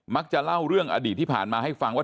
จะเล่าเรื่องอดีตที่ผ่านมาให้ฟังว่า